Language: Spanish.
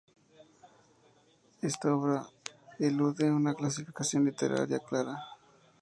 Esta obra elude una clasificación literaria clara.